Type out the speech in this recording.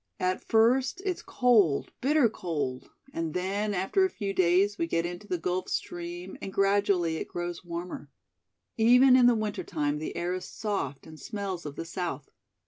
At first it's cold, bitter cold, and then after a few days we get into the Gulf Stream and gradually it grows warmer. Even in the winter time the air is soft and smells of the south.